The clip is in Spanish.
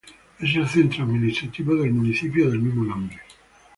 Es el centro administrativo del municipio del mismo nombre.